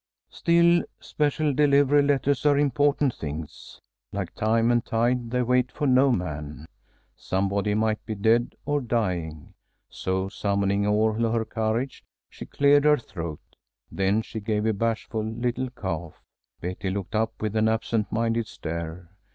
Still, special delivery letters are important things. Like time and tide they wait for no man. Somebody might be dead or dying. So summoning all her courage, she cleared her throat. Then she gave a bashful little cough. Betty looked up with an absent minded stare.